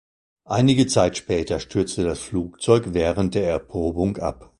Einige Zeit später stürzte das Flugzeug während der Erprobung ab.